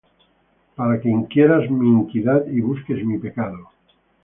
Para que inquieras mi iniquidad, Y busques mi pecado,